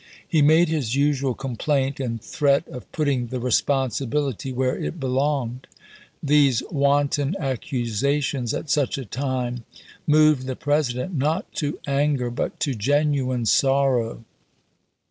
He made his usual complaint and threat of putting the responsibility where it belonged. These wanton ac cusations at such a time moved the President, not to anger, but to genuine sorrow.